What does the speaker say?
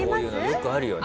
よくあるよね。